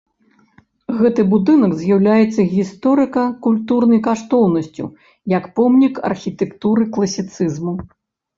Гэты будынак з'яўляецца гісторыка-культурнай каштоўнасцю як помнік архітэктуры класіцызму.